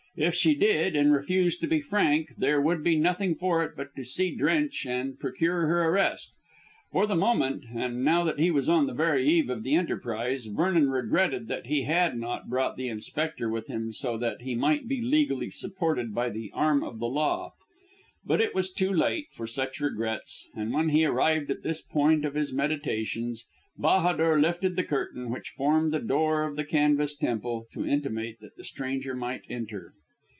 If she did and refused to be frank there would be nothing for it but to see Drench and procure her arrest. For the moment, and now that he was on the very eve of the enterprise, Vernon regretted that he had not brought the Inspector with him so that he might be legally supported by the arm of the law. But it was too late for such regrets, and when he arrived at this point of his meditations Bahadur lifted the curtain which formed the door of the canvas temple to intimate that the stranger might enter.